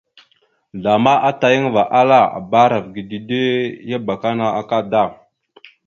Zlama atayaŋva ala: « Bba arav ge dide ya abakana akada, ».